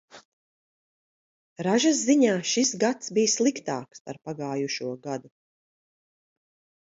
Ražas ziņā šis gads bij sliktāks par pagājušo gadu.